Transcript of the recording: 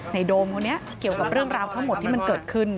โดมคนนี้เกี่ยวกับเรื่องราวทั้งหมดที่มันเกิดขึ้น